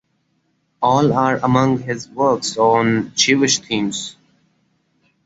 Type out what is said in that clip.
All are among his works on Jewish themes.